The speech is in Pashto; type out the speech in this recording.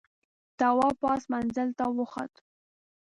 تواب پاس منزل ته وخوت.